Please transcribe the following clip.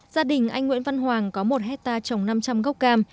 gia đình anh nguyễn văn hoàng có một hectare trồng năm trăm linh gốc cam